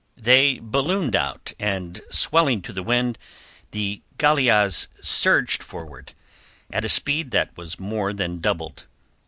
They ballooned out, swelling to the wind, and the galeasse surged forward at a speed that was more than doubled.